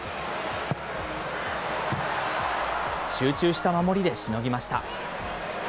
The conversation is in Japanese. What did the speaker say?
集中した守りでしのぎました。